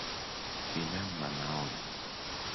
Binamu anaoga